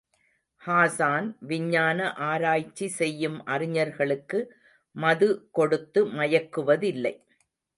ஹாஸான், விஞ்ஞான ஆராய்ச்சி செய்யும் அறிஞர்களுக்கு மது கொடுத்து மயக்குவதில்லை.